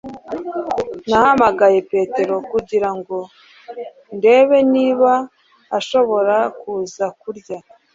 Nahamagaye Petero kugira ngo ndebe niba ashobora kuza kurya